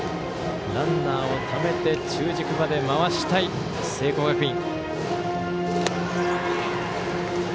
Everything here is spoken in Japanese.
ランナーをためて中軸まで回したい聖光学院。